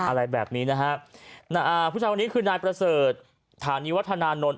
อะไรแบบนี้นะฮะอ่าผู้ชายคนนี้คือนายประเสริฐฐานีวัฒนานนท์